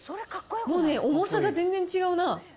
もうね、重さが全然違うな。